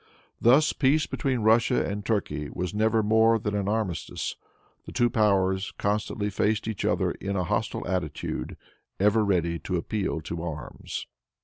Thus peace between Russia and Turkey was never more than an armistice. The two powers constantly faced each other in a hostile attitude, ever ready to appeal to arms.